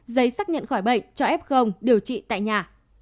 giấy xác nhận khỏi bệnh cho f điều trị tại nhà